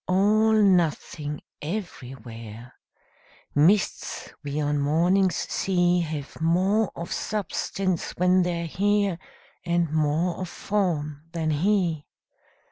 All nothing everywhere: Mists we on mornings see Have more of substance when they're here And more of form than he.